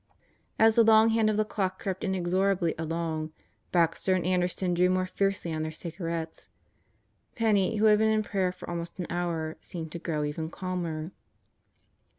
As the long hand of the clock crept inexorably along, Baxter and Anderson drew more fiercely on their cigarettes. Penney, who had been in prayer for almost an hour, seemed to grow even calmer.